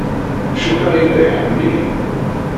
Cukkeɣ yella iḥemmel-iyi.